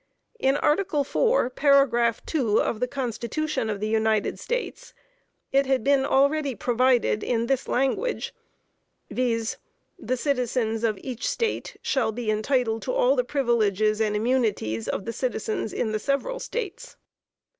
In article 4, paragraph 2, of the Constitution of the United States it had been already provided in this language, viz: "the citizens of each State shall be entitled to all the privileges and immunities of the citizens in the several States."